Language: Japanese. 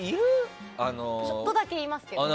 ちょっとだけいますけど。